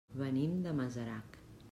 Venim de Masarac.